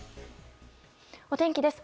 お天気です。